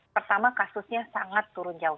pertama kasusnya sangat turun jauh